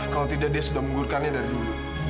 kalau tidak dia sudah menggurkannya dari dulu